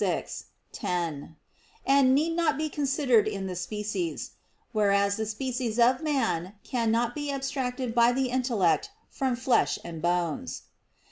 vi, 10), and need not be considered in the species: whereas the species of man cannot be abstracted by the intellect from "flesh and bones."